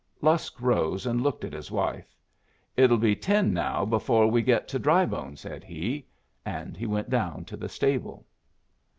Lusk rose and looked at his wife. "It'll be ten now before we get to Drybone," said he. And he went down to the stable.